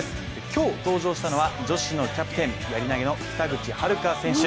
今日登場したのは、女子のキャプテンやり投の北口榛花選手。